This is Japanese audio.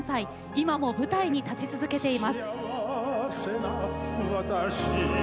今も舞台に立ち続けています。